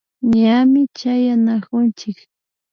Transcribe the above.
Ñami chayanakunchik